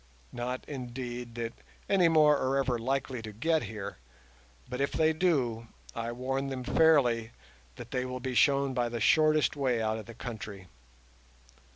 Not, indeed, that any more are ever likely to get here, but if they do, I warn them fairly that they will be shown the shortest way out of the country.